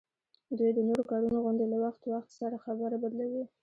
دوی د نورو کارونو غوندي له وخت وخت سره خبره بدلوي